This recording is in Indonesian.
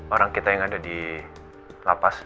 orang kita yang ada di lapas